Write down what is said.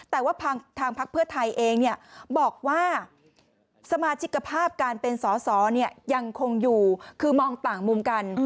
แต่ว่าทางพักเพื่อไทยเองบอกว่าสมาชิกภาพการเป็นสอสอยังคงอยู่คือมองต่างมุมกัน